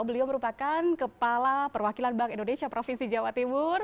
beliau merupakan kepala perwakilan bank indonesia provinsi jawa timur